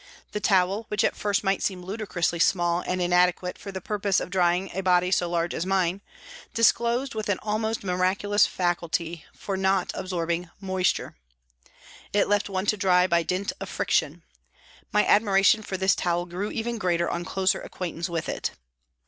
The towel, which at first sight seemed ludicrously small and inadequate for the purpose of drying a body so large as mine, disclosed with use an almost miraculous faculty for not absorbing moisture. It left one to dry by dint of friction ; my admiration for this towel grew even greater on closer acquaintance with it.